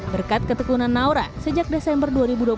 berkat ketekunan naura sejak desember dua ribu dua puluh